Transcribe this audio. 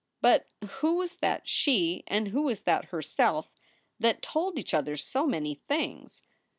But who was that She and who was that Herself that told each other so many things?